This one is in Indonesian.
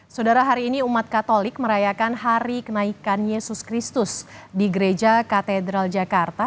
saudara hari ini umat katolik merayakan hari kenaikan yesus kristus di gereja katedral jakarta